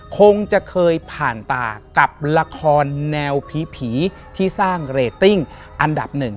คงจะเคยผ่านตากับละครแนวผีที่สร้างเรตติ้งอันดับหนึ่ง